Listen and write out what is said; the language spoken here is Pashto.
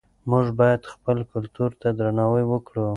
موږ باید خپل کلتور ته درناوی وکړو.